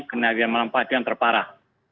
kecamatan teguh negari itu yang terparah